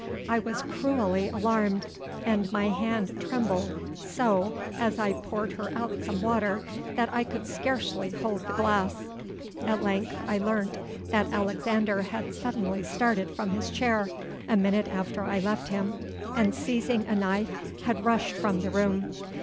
I was cruelly alarmed; and my hand trembled so as I poured her out some water that I could scarcely hold the glass. At length I learnt that Alexander had suddenly started from his chair, a minute after I left him, and seizing a knife, had rushed from the room.